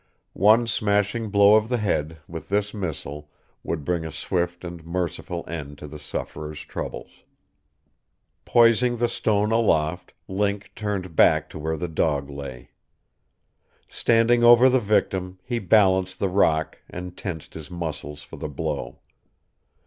One smashing blow on the head, with this missile, would bring a swift and merciful end to the sufferer's troubles. Poising the stone aloft, Link turned back to where the dog lay. Standing over the victim, he balanced the rock and tensed his muscles for the blow.